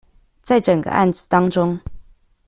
在整個案子當中